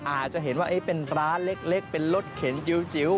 อาจจะเห็นว่าเป็นร้านเล็กเป็นรถเข็นจิ๋ว